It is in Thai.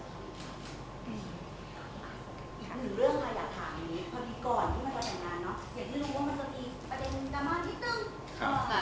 อีกเรื่องมันถามนี้ควรเมื่อก่อนที่ออกมาใช้งานเนาะ